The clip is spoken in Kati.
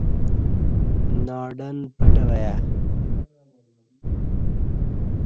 ناڈن پٹہ ویا